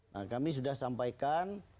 nah kami sudah sampaikan